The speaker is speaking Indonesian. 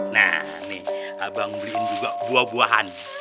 nah nih abang beliin juga buah buahan